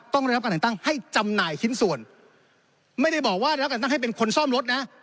ต้องได้รับการแต่งตั้งให้จำหน่ายชิ้นส่วนไม่ได้บอกว่าได้รับการตั้งให้เป็นคนซ่อมรถนะ